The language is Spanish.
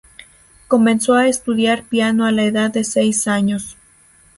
Comenzó a estudiar piano a la edad de seis años.